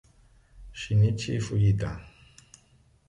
Shinichi Fujita